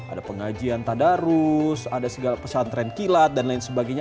ada pengajian tadarus ada segala pesantren kilat dan lain sebagainya